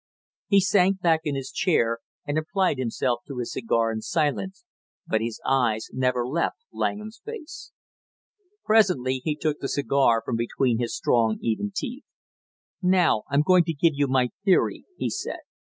He sank back in his chair and applied himself to his cigar in silence, but his eyes never left Langham's face. Presently he took the cigar from between his strong even teeth. "Now, I'm going to give you my theory," he said.